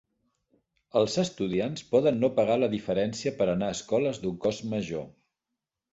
Els estudiants poden no pagar la diferència per anar a escoles d'un cost major.